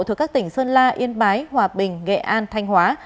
thuộc các tỉnh sơn la yên bái hòa bình nghệ an thanh hóa